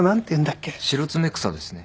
シロツメクサですね。